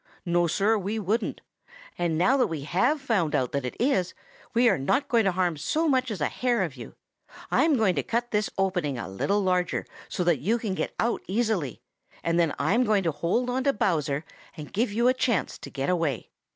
No, Sir, we wouldn't. And now that we have found out that it is, we are not going to harm so much as a hair of you. I'm going to cut this opening a little larger so that you can get out easily, and then I am going to hold on to Bowser and give you a chance to get away.